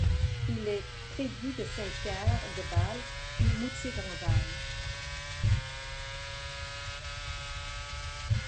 Il est prévôt de Saint-Pierre de Bâle puis de Moutier-Grandval.